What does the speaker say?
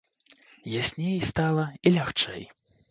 Ясней стала і лягчэй.